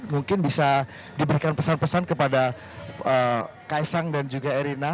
mungkin bisa diberikan pesan pesan kepada kaisang dan juga erina